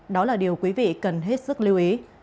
đó là điều quý vị cần hết sức lưu ý